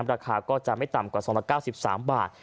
ราคาก็จะไม่ต่ำกว่าซองละ๙๓บาท